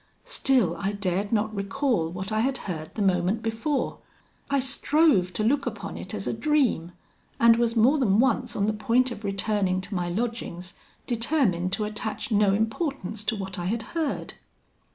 Still, I dared not recall what I had heard the moment before. I strove to look upon it as a dream; and was more than once on the point of returning to my lodgings, determined to attach no importance to what I had heard.